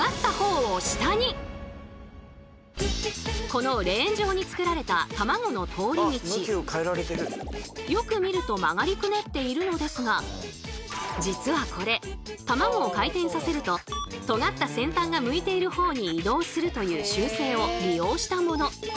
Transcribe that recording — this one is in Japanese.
このレーン上に作られたたまごの通り道よく見ると曲がりくねっているのですが実はこれたまごを回転させるととがった先端が向いているほうに移動するという習性を利用したもの。